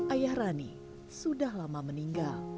ayah rani sudah lama meninggal